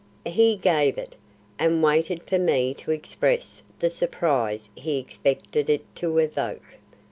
He gave it, and waited for me to express the surprise he expected it to evoke.